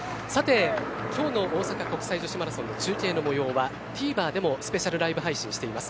きょうの大阪国際女子マラソンの中継の模様はＴＶｅｒでもライブ配信しています。